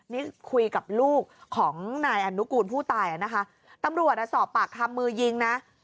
นี่คุยกับลูกของนายอนุกูลผู้ตายอ่ะนะคะตำรวจอ่ะสอบปากคำมือยิงนะ